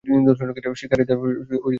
শিকারীদের যুগ ফুরিয়ে যায়নি।